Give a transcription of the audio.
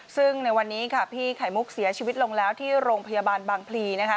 ซึ่งในวันนี้ค่ะพี่ไข่มุกเสียชีวิตลงแล้วที่โรงพยาบาลบางพลีนะคะ